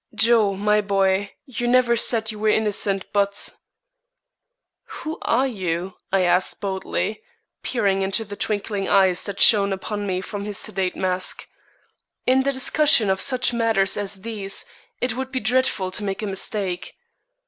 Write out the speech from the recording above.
Joe, my boy, you never said you were innocent, but " "Who are you?" I asked boldly, peering into the twinkling eyes that shone upon me from his sedate mask. "In the discussion of such matters as these, it would be dreadful to make a mistake."